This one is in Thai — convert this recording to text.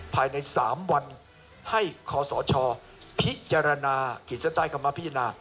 ภายใน๓วันให้ขอสอชอพิจารณากิจต้ายคำว่าพิจารณา